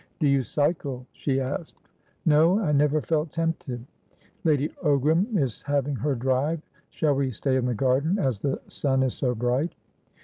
"Do you cycle?" she asked. "No. I never felt tempted." "Lady Ogram is having her drive. Shall we stay in the garden, as the sun is so bright?"